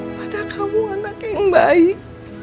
pada kamu anak yang baik